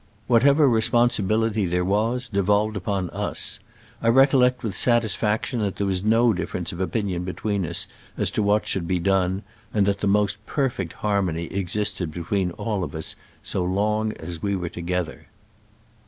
What ever responsibility there was devohred upon us. I recollect with satisfaction that there was no difference of opinion between us as to what should be done, and that the most perfect harmony existed between all of us so long as we were together.